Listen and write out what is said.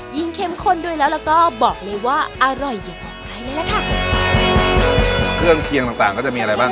เข้มข้นด้วยแล้วแล้วก็บอกเลยว่าอร่อยอย่าบอกใครเลยล่ะค่ะเครื่องเคียงต่างต่างก็จะมีอะไรบ้าง